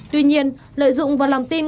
tuy nhiên lợi dụng vào lòng tin